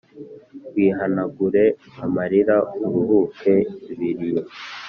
Wihanagure amarira Uruhuke ibiriyo